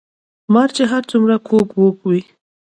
ـ مار چې هر څومره کوږ وږ وي